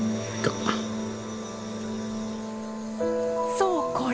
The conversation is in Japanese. そうこれ！